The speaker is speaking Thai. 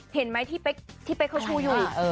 เห็นมั้ยที่เป๊กเขาช่วยอยู่อยู่